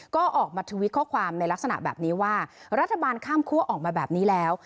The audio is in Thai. ก็ออกมาทวิตข้อความในลักษณะแบบนี้ว่ารัฐบาลข้ามคั่วออกมาแบบนี้แล้ว